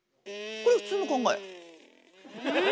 これ普通の考え。